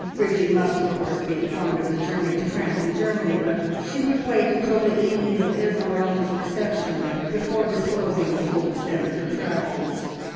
Bridgie must, of course, be informed of the journey to France and Germany, but she would wait until the evening of Esmeralda's reception before disclosing the full extent of her travels.